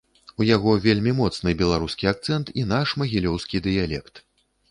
У яго вельмі моцны беларускі акцэнт і наш, магілёўскі, дыялект.